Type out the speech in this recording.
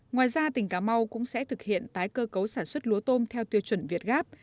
ngoài ra tỉnh cà mau cũng sẽ thực hiện tái cơ cấu sản xuất lúa tôm theo tiêu chuẩn việt gáp